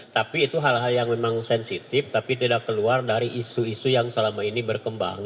tapi itu hal hal yang memang sensitif tapi tidak keluar dari isu isu yang selama ini berkembang